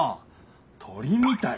鳥みたい。